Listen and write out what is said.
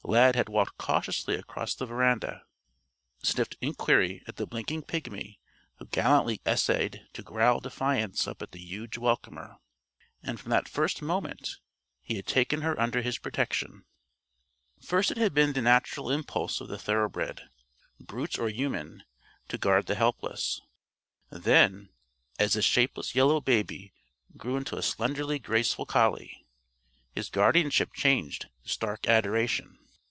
Lad had walked cautiously across the veranda, sniffed inquiry at the blinking pigmy who gallantly essayed to growl defiance up at the huge welcomer and from that first moment he had taken her under his protection. First it had been the natural impulse of the thoroughbred brute or human to guard the helpless. Then, as the shapeless yellow baby grew into a slenderly graceful collie, his guardianship changed to stark adoration.